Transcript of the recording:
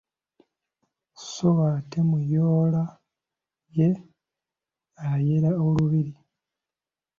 Sso ate Muyoola ye ayera olubiri.